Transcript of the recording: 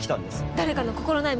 誰かの心ない